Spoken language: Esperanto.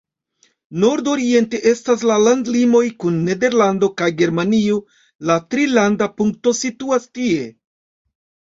Nord-oriente estas la landlimoj kun Nederlando kaj Germanio, la trilanda punkto situas tie.